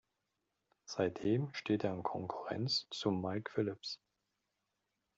Seitdem steht er in Konkurrenz zu Mike Phillips.